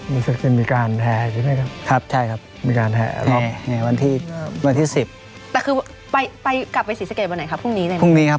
มีการแทรกใช่ไหมครับ